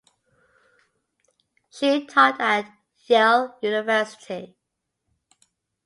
She taught at Yale University.